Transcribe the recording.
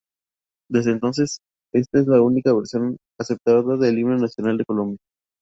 Desde entonces esta es la única versión aceptada del Himno Nacional de Colombia.